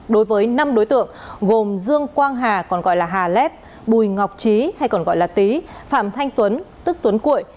đối với năm đối tượng gồm dương quang hà còn gọi là hà lép bùi ngọc trí hay còn gọi là tý phạm thanh tuấn tức tuấn cuội